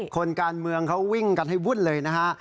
คนการเมืองเขาวิ่งกันให้วุ่นเลยนะฮะ